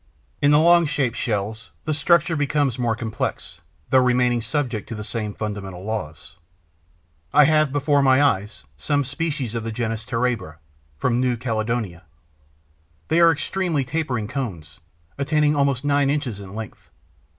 In the long shaped shells, the structure becomes more complex, though remaining subject to the same fundamental laws. I have before my eyes some species of the genus Terebra, from New Caledonia. They are extremely tapering cones, attaining almost nine inches in length.